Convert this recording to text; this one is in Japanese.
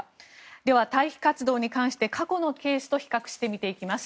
では、退避活動に関して過去のケースと比較して見ていきます。